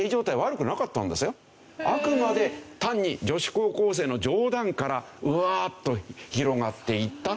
決してあくまで単に女子高校生の冗談からワーッと広がっていったという事ですね。